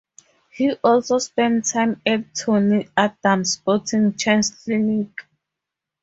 He also spent time at Tony Adams' Sporting Chance Clinic.